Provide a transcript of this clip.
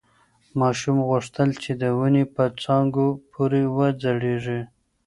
ماشوم غوښتل چې د ونې په څانګو پورې وځړېږي.